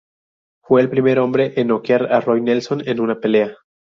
Fue el primer hombre en noquear a Roy Nelson en una pelea.